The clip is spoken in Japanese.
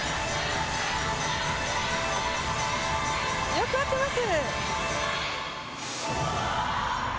よく合っています。